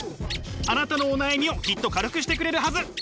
あなたのお悩みをきっと軽くしてくれるはず。